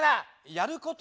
やること？